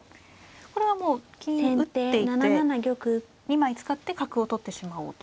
これはもう金打っていって２枚使って角を取ってしまおうと。